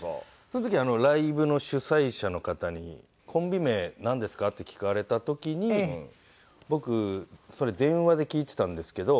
その時ライブの主催者の方に「コンビ名なんですか？」って聞かれた時に僕それ電話で聞いてたんですけど。